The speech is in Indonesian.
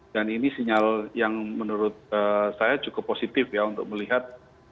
dan ini sinyal yang menurut saya cukup positif ya untuk melihat